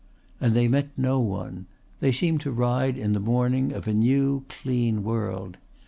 And they met no one. They seemed to ride in the morning of a new clean world.